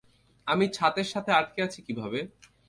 আমি ছাতের সাথে আটকে আছি কীভাবে?